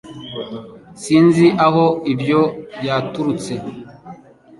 Sinzi aho ibyo byaturutse